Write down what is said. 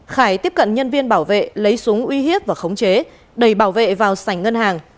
khải tiếp cận nhân viên bảo vệ lấy súng uy hiếp và khống chế đầy bảo vệ vào sảnh ngân hàng